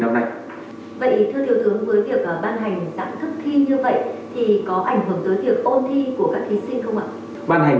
thì có ảnh hưởng tới việc ôn thi của các thí sinh không ạ